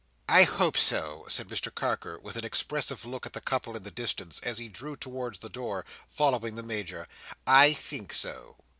"I hope so," said Mr Carker, with an expressive look at the couple in the distance, as he drew towards the door, following the Major. "I think so."